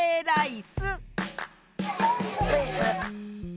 スイス。